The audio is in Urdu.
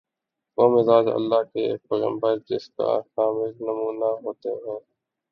وہ مزاج‘ اللہ کے پیغمبر جس کا کامل نمونہ ہوتے ہیں۔